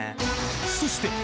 そしてえ！